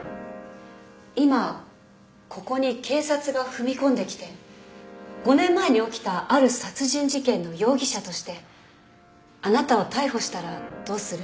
今ここに警察が踏み込んできて５年前に起きたある殺人事件の容疑者としてあなたを逮捕したらどうする？